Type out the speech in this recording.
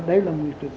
đây là nghị quyết